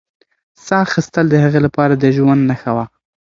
ساه اخیستل د هغې لپاره د ژوند نښه وه.